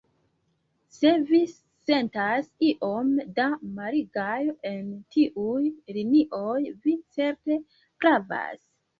Se vi sentas iom da malgajo en tiuj linioj, vi certe pravas.